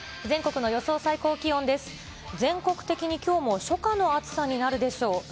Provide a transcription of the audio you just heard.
全国的にきょうも初夏の暑さになるでしょう。